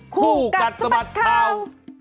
คู่กัดสะบัดข่าว